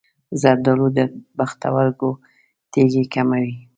زردآلو د پښتورګو تیږې کموي.